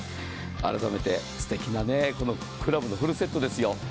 改めて、すてきなクラブのフルセットですよ。